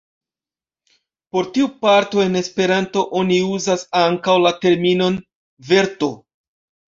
Por tiu parto en Esperanto oni uzas ankaŭ la terminon "verto".